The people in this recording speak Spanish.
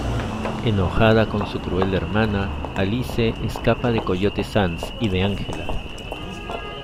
Enojada con su cruel hermana, Alice escapa de Coyote Sands y de Angela.